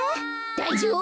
だいじょうぶ。